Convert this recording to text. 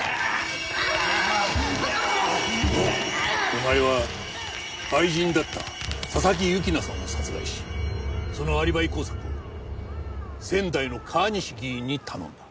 お前は愛人だった佐々木由紀奈さんを殺害しそのアリバイ工作を仙台の川西議員に頼んだ。